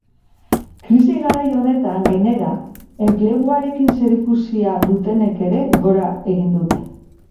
Krisi garai honetan, gainera, enpleguarekin zerikusia dutenek ere gora egin dute.